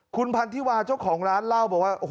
คุณพันธิวาเจ้าของร้านเล่าบอกว่า